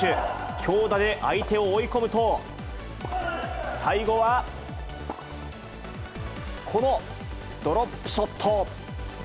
強打で相手を追い込むと、最後はこのドロップショット。